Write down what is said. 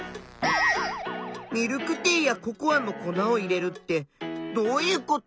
「ミルクティーやココアの粉を入れる」ってどういうこと？